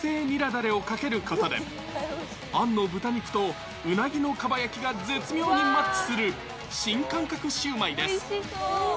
だれをかけることで、あんの豚肉とうなぎのかば焼きが絶妙にマッチする新感覚シウマイです。